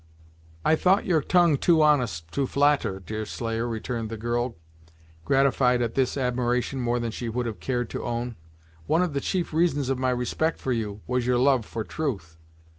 "I thought your tongue too honest to flatter, Deerslayer," returned the girl, gratified at this admiration more than she would have cared to own. "One of the chief reasons of my respect for you, was your love for truth."